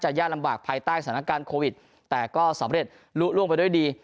ยากลำบากภายใต้สถานการณ์โควิดแต่ก็สำเร็จลุล่วงไปด้วยดี